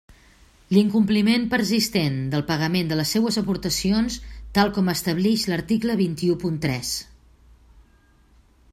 L'incompliment persistent del pagament de les seues aportacions, tal com establix l'article vint-i-u punt tres.